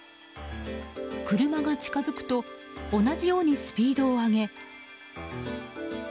車が近づくと同じようにスピードを上げ。